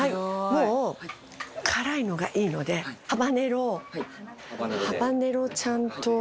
もう辛いのがいいのでハバネロハバネロちゃんとなんて読むんですか？